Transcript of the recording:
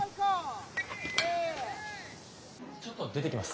ちょっと出てきます。